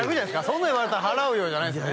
そんなん言われたら払うよじゃないんですね